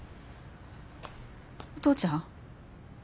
お父ちゃん。